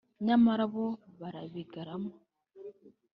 nyamara bo barabigarama